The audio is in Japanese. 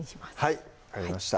はい分かりました